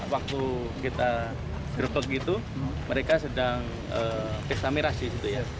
waktu kita gerbek gitu mereka sedang pesta miras di situ ya